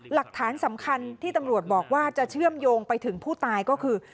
หลักฐานสำคัญที่ตำรวจบอกว่าจะเชื่อมโยงไปถึงผู้ตายก็คือ